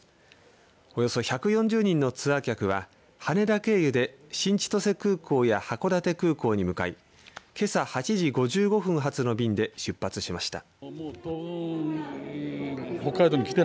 およそ１４０人のツアー客は羽田経由で新千歳空港や函館空港に向かいけさ８時５５分発の便で出発しました。